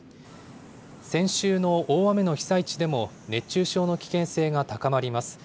先週の大雨の被災地でも、熱中症の危険性が高まります。